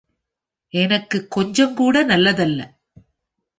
எனக்கு கொஞ்சம்கூட நல்லதல்ல.